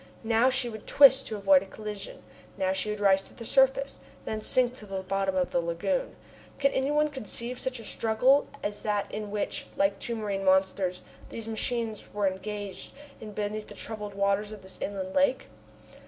Now she would twist to avoid a collision. Now she would rise to the surface, then sink to the bottom of the lagoon. Can any one conceive such a struggle as that in which, like two marine monsters, these machines were engaged in beneath the troubled waters of this inland lake?